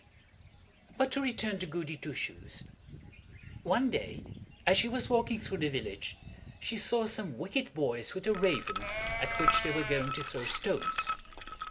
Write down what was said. But to return to Goody Two Shoes. One day as she was walking through the village she saw some wicked boys with a raven, at which they were going to throw stones.